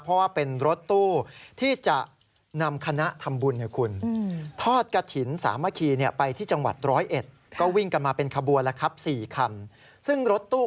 เพราะว่าเป็นรถตู้ที่จะนำคณะทำบุญนะคุณ